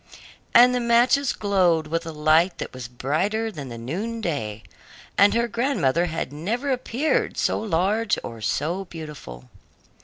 And the matches glowed with a light that was brighter than the noon day, and her grandmother had never appeared so large or so beautiful.